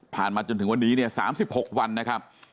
ผ่านมาจนถึงวันนี้๓๖วันนะครับ